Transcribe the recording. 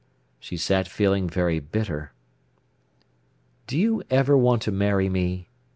She sat feeling very bitter. "Do you ever want to marry me?"